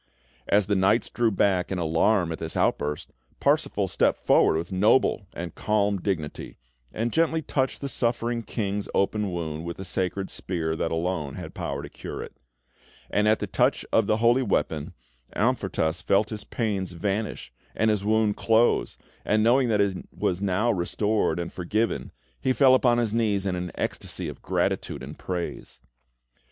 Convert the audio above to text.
As the knights drew back in alarm at this outburst, Parsifal stepped forward with noble and calm dignity, and gently touched the suffering King's open wound with the sacred spear that alone had power to cure it; and at the touch of the holy weapon, Amfortas felt his pains vanish, and his wound close, and, knowing that he was now restored and forgiven, he fell upon his knees in an ecstasy of gratitude and praise.